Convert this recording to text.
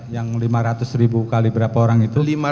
yang lima ratus ribu kali berapa orang itu